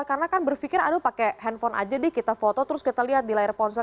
karena kan berpikir aduh pakai handphone aja deh kita foto terus kita lihat di layar ponsel